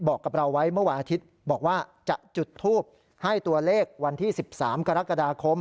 บอกกับเราไว้เมื่อวานอาทิตย์บอกว่าจะจุดทูปให้ตัวเลขวันที่๑๓กรกฎาคม